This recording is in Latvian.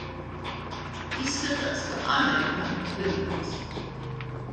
Izskatās, kā amerikāņu filmās.